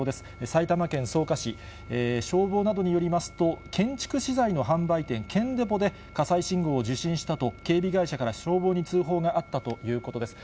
埼玉県草加市、消防などによりますと、建築資材の販売店、建デポで火災信号を受信したと、警備会社から消防に通報があったということです。